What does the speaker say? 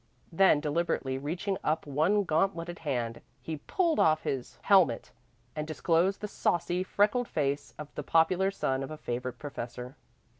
Then, deliberately reaching up one gauntleted hand, he pulled off his helmet, and disclosed the saucy, freckled face of the popular son of a favorite professor.